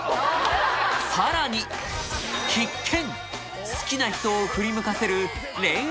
さらに必見！